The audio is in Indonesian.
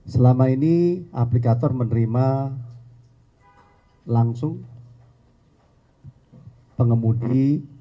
selama ini aplikator menerima langsung pengemudi